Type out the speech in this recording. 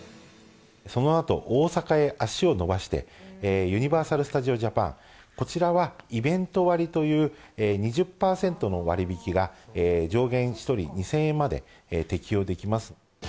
そのあと大阪へ足を延ばして、ユニバーサル・スタジオ・ジャパン、こちらはイベント割という２０％の割引が上限１人２０００円まで適用できます。